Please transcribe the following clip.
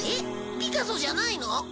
ピカソじゃないの？